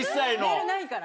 メールないからね。